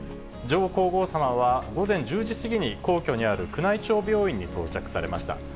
上皇后さまは、午前１０時過ぎに皇居にある宮内庁病院に到着されました。